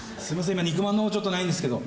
今肉まんの方ちょっとないんですけど。